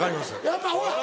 やっぱほら！